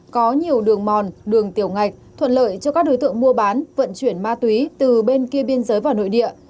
có nhiều đường mòn đường tiểu ngạch thuận lợi cho các đối tượng mua bán vận chuyển ma túy từ bên kia biên giới vào nội địa